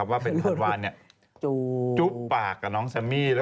ว่าเป็นขวัญวานจุ๊บปากกับน้องแซมมี่